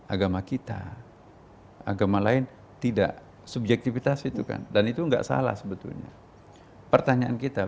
agama kita agama lain tidak subjektivitas itu kan dan itu enggak salah sebetulnya pertanyaan kita